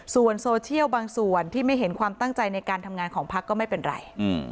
ส่วนโซเชียลบางส่วนที่ไม่เห็นความตั้งใจในการทำงานของพักก็ไม่เป็นไร